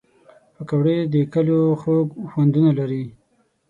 پکورې د کلیو خوږ خوندونه لري